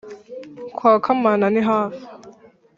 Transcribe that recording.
Kwa Kamana ni hafi